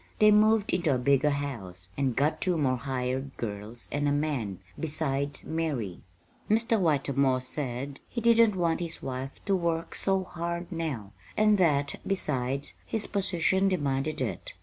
They moved into a bigger house, and got two more hired girls and a man, besides Mary. Mr. Whitermore said he didn't want his wife to work so hard now, and that, besides, his position demanded it.